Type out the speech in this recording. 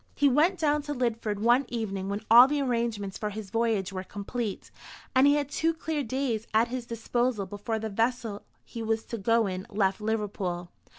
He went down to Lidford one evening when all the arrangements for his voyage were complete, and he had two clear days at his disposal before the vessel he was to go in left Liverpool.